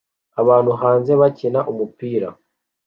Abantu hanze bakina umupira